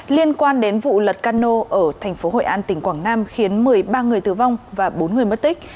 liên quan đến vụ lật cano ở thành phố hội an tỉnh quảng nam khiến một mươi ba người tử vong và bốn người mất tích